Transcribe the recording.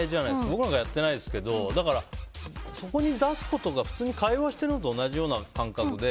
僕なんかはやってないですけどそこに出すことが普通に会話してるのと同じような感覚で。